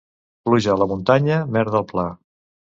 Pluja a la muntanya, merda al pla.